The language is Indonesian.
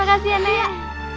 makasih ya nek